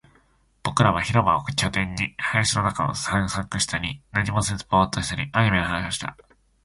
僕らは広場を拠点に、林の中を探索したり、何もせずボーっとしたり、アニメの話をしたり